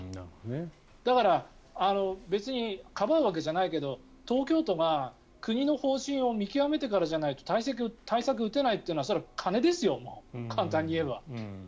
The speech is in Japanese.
だから別にかばうわけじゃないけど東京都が国の方針を見極めてからじゃないと対策を打てないというのはそれは金ですよ、簡単に言えば。